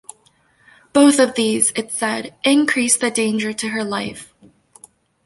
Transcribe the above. Both of these, it said, increased the danger to her life.